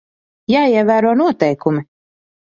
Jāievēro noteikumi.